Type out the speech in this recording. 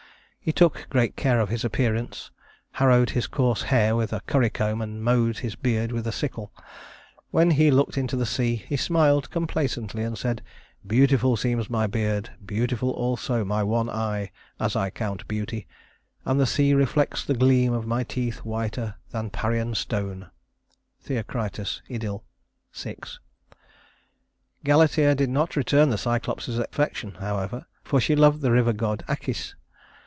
He took great care of his appearance, harrowed his coarse hair with a currycomb and mowed his beard with a sickle. When he looked into the sea, he smiled complacently and said: "Beautiful seems my beard, beautiful also my one eye as I count beauty and the sea reflects the gleam of my teeth whiter than Parian Stone" (Theocritus, Idyll VI.) Galatea did not return the Cyclops's affection, however, for she loved the river god Acis.